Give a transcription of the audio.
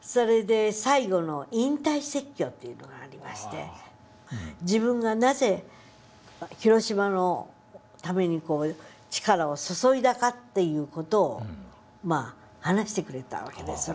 それで最後の引退説教というのがありまして自分がなぜ広島のために力を注いだかっていう事を話してくれたわけです。